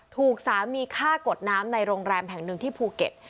ถูกสามีฆ่ากดน้ำในโรงแรมแห่งหนึ่งที่ภูเก็ต